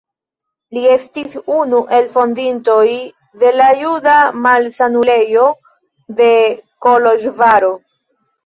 Li estis unu el fondintoj de la Juda Malsanulejo de Koloĵvaro.